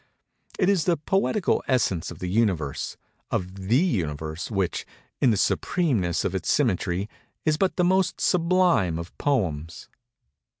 It is the poetical essence of the Universe—of the Universe which, in the supremeness of its symmetry, is but the most sublime of poems.